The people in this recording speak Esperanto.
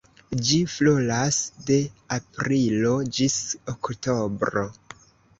Ĝi floras de aprilo ĝis oktobro.